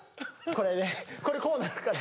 これでこれこうなるから。